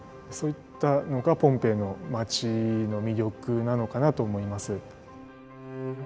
そういったのがポンペイの街の魅力なのかなと思います。